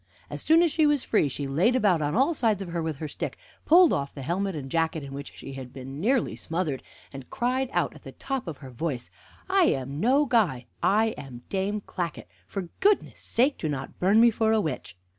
As soon as she was free, she laid about on all sides of her with her stick, pulled off the helmet and jacket in which she had been nearly smothered, and cried out at the top of her voice: "I am no guy! I am Dame Clackett! For goodness' sake do not burn me for a witch!"